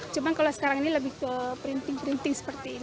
cuma kalau sekarang ini lebih ke printing printing seperti ini